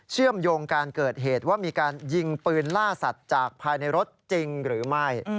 เชื่อมโยงการเกิดเหตุว่ามีการยิงปืนล่าสัตว์จากภายในรถจริงหรือไม่